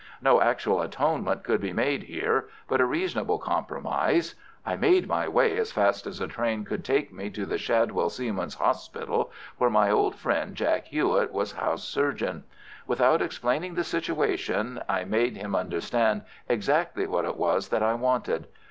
No actual atonement could be made here—but a reasonable compromise! I made my way as fast as a train could take me to the Shadwell Seamen's Hospital, where my old friend Jack Hewett was house surgeon. Without explaining the situation I made him understand exactly what it was that I wanted.